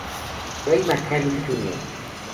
Ray McCallum, Jr.